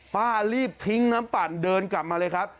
ป้ารีบทิ้งน้ำปั่นเดินกลับมาเลยครับ